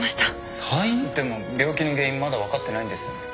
でも病気の原因まだ分かってないんですよね？